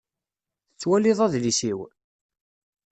Tettwaliḍ adlis-iw?